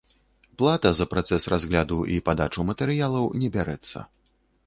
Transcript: Плата за працэс разгляду і падачу матэрыялаў не бярэцца.